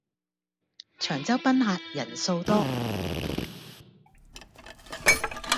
長洲賓客人數多